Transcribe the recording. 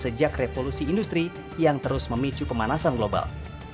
sejak revolusi industri yang terus memicu pemanasan global